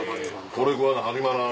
「これ食わな始まらん」